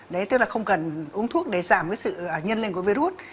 đấy tức là không cần uống thuốc để giảm cái sự nhân lên của virus